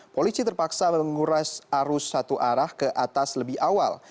polisi terpaksa menguras arus satu arah ke atas lebih awal